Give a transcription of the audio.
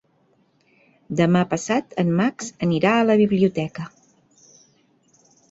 Demà passat en Max anirà a la biblioteca.